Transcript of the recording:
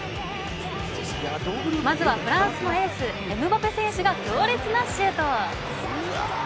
まずはフランスのエースエムバペ選手が強烈なシュート！